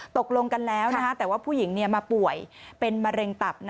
ตกลงกันแล้วแต่ว่าผู้หญิงมาป่วยเป็นมะเร็งตับ